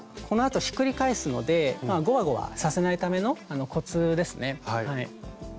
このあとひっくり返すのでゴワゴワさせないためのこつですね。